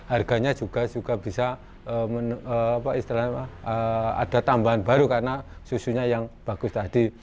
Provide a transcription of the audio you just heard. harganya juga bisa ada tambahan baru karena susunya yang bagus tadi